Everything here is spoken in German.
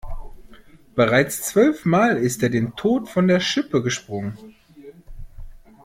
Bereits zwölf Mal ist er dem Tod von der Schippe gesprungen.